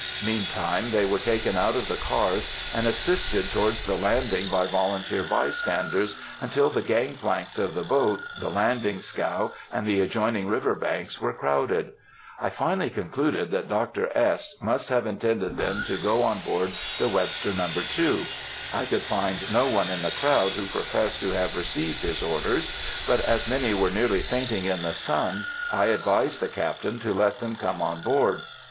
Meantime they were taken out of the cars, and assisted towards the landing by volunteer bystanders, until the gang planks of the boat, the landing scow, and the adjoining river banks were crowded. I finally concluded that Dr. S. must have intended them to go on board the Webster No. 2. I could find no one in the crowd who professed to have received his orders, but, as many were nearly fainting in the sun, I advised the Captain to let them come on board.